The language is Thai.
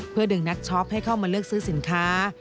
เพื่อดึงนักช็อปให้เข้ามาเลือกซื้อสินค้า